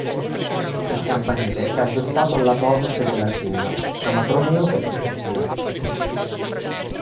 Il campanile è addossato al lato ovest della chiesa, tra matroneo e sacrestia.